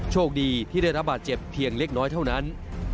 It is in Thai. โชคดีที่ได้รับบาดเจ็บเพียงเล็กน้อยเท่านั้น